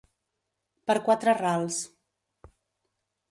Per quatre rals.